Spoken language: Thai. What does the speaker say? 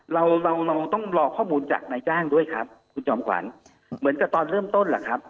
เราเราต้องรอข้อมูลจากนายจ้างด้วยครับคุณจอมขวัญเหมือนกับตอนเริ่มต้นแหละครับ